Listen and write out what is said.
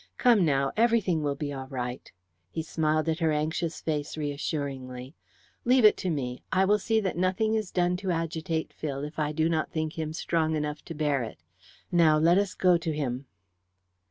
Come, now, everything will be all right." He smiled at her anxious face reassuringly. "Leave it to me. I will see that nothing is done to agitate Phil if I do not think him strong enough to bear it. Now, let us go to him."